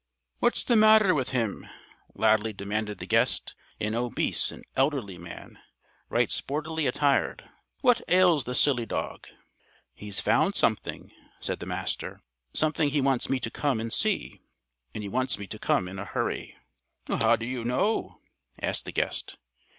"What's the matter with him?" loudly demanded the guest an obese and elderly man, right sportily attired. "What ails the silly dog?" "He's found something," said the Master. "Something he wants me to come and see and he wants me to come in a hurry." "How do you know?" asked the guest.